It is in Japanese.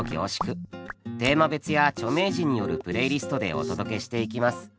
テーマ別や著名人によるプレイリストでお届けしていきます。